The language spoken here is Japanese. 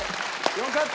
よかった。